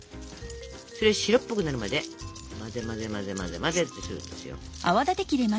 それ白っぽくなるまで混ぜ混ぜ混ぜ混ぜ混ぜってするんですよ。